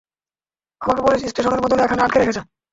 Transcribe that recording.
আমাকে পুলিশ স্টেশনের বদলে এখানে আটকে রেখেছে।